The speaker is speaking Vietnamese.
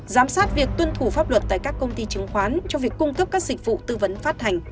giám sát việc tuân thủ pháp luật tại các công ty chứng khoán cho việc cung cấp các dịch vụ tư vấn phát hành